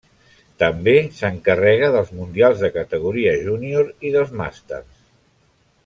També s'encarrega dels mundials de categoria júnior i dels màsters.